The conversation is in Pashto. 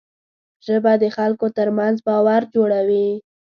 ژبه د خلکو ترمنځ باور جوړوي